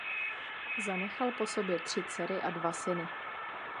Zanechal po sobě tři dcery a dva syny.